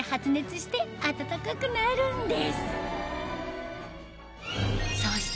して暖かくなるんですそして